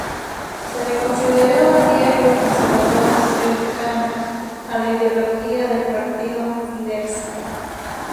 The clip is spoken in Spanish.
Se le consideraba diario conservador cercana a la ideología del partido Fidesz.